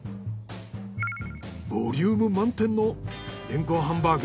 ボリューム満点のレンコンハンバーグ。